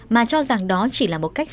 mà cho rằng đó chỉ là một cách